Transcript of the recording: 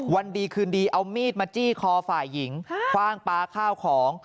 วันดีคืนดีเอามีดมาจี้คอฝ่ายหญิงคว่างปลาข้าวของ